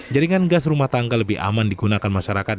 jaringan gas rumah tangga lebih aman digunakan masyarakat